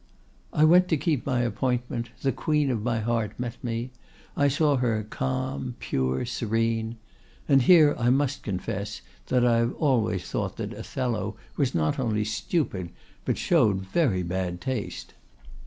"I went to keep my appointment; the queen of my heart met me; I saw her calm, pure, serene. And here I must confess that I have always thought that Othello was not only stupid, but showed very bad taste.